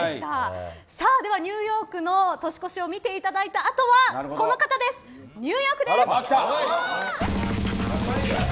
ニューヨークの年越しを見ていただいたあとはこの方、ニューヨークです。